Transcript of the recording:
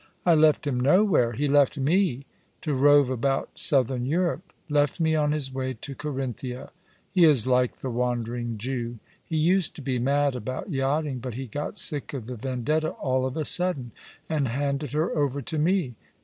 " I left him nowhere. He left me to rove about Southern Europe — left me on his way to Carinthia. Ho is like the wandering Jew. He used to be mad about yachting ; but he got sick of the Vendetta all of a sudden^ and handed her over to me.